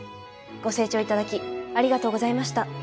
ご清聴頂きありがとうございました。